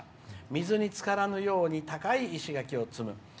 水に浸からぬように高い石垣を積む。